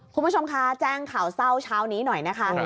คุณผู้ชมคะแจ้งข่าวเศร้าเช้านี้หน่อยนะคะ